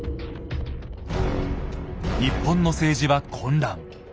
日本の政治は混乱。